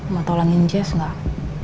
mau tolengin jessie nggak